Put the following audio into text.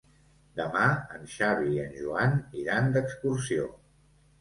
Demà en Xavi i en Joan iran d'excursió.